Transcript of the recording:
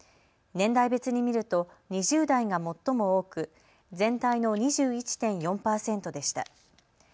年代別に見ると２０代が最も多く全体の２１．４％でした。